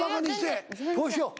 そうしよう。